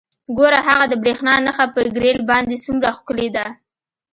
ګوره هغه د بریښنا نښه په ګریل باندې څومره ښکلې ده